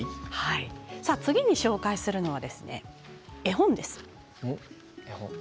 次に紹介するのは、絵本です。